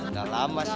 udah lama sih